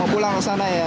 mau pulang ke sana ya